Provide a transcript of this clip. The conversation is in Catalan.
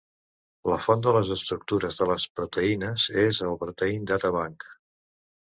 La font de les estructures de les proteïnes és el Protein Data Bank.